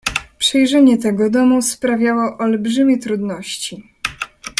"Przejrzenie tego domu sprawiało olbrzymie trudności."